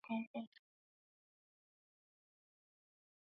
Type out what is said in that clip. — Tog‘a, ayolingizni olib keldim, — dedi.